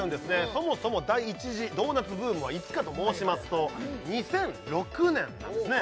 そもそも第１次ドーナツブームはいつかと申しますと２００６年なんですね